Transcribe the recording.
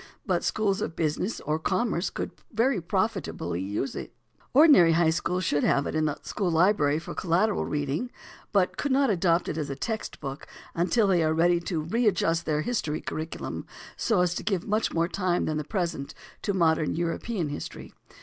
But schools of business or commerce could very profitably use it. Ordinary high schools should have it in the school library for collateral reading, but could not adopt it as a text book until they are ready to readjust their history curriculum so as to give much more time than at present to Modern European History.